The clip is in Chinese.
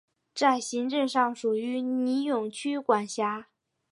在行政上属于尼永区管辖。